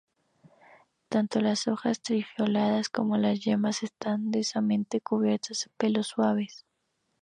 Tanto las hojas trifoliadas como las yemas, están densamente cubiertas de pelos suaves.